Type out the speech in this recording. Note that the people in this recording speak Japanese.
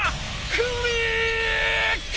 クリック！